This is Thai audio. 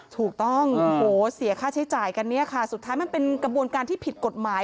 ถูกต้องโอ้โหเสียค่าใช้จ่ายกันเนี่ยค่ะสุดท้ายมันเป็นกระบวนการที่ผิดกฎหมาย